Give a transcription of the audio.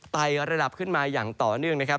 ไตระดับขึ้นมาอย่างต่อเนื่องนะครับ